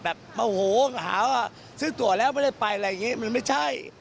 โมโหหาว่าซื้อตัวแล้วไม่ได้ไปอะไรอย่างนี้มันไม่ใช่